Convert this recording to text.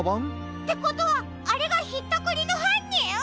ってことはあれがひったくりのはんにん！？